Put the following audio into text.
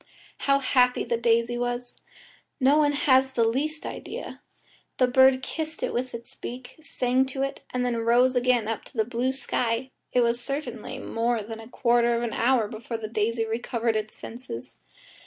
How happy the daisy was! No one has the least idea. The bird kissed it with its beak, sang to it, and then rose again up to the blue sky. It was certainly more than a quarter of an hour before the daisy recovered its senses.